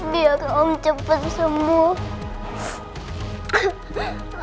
biar om cepat sembuh